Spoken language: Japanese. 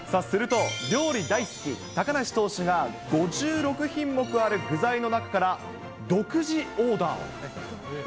すると、料理大好き、高梨投手が５６品目ある具材の中から、独自オーダーを。